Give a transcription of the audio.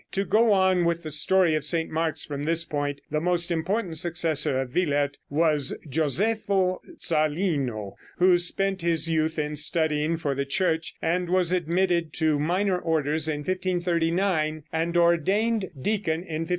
To go on with the story of St. Mark's from this point, the most important successor of Willaert was Gioseffo Zarlino, who spent his youth in studying for the Church, and was admitted to minor orders in 1539, and ordained deacon in 1541.